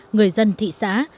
người dân thị xã